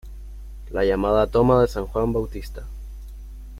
La llamada Toma de San Juan Bautista.